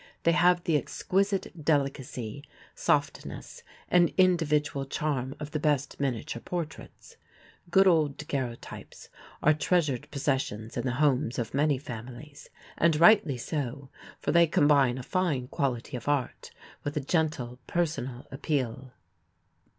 They have the exquisite delicacy, softness and individual charm of the best miniature portraits. Good old daguerreotypes are treasured possessions in the homes of many families and rightly so, for they combine a fine quality of art with a gentle personal appeal.